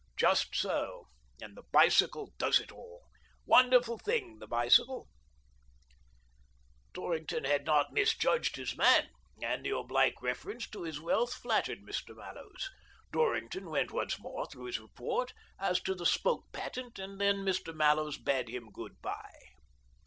"Just so — and the bicycle does it all; wonderful thing the bicycle !" Dorrington had not misjudged his man, and " AVALANCHE BICYCLE AND TYBE CO., LTDr 163 the oblique reference to his wealth flattered Mr. Mallows. Dorrington went once more through his report as to the spoke patent, and then Mr. Mallows bade him good bye.